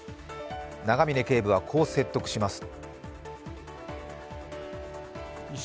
永峰警部はこう説得します。